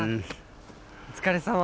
お疲れさま。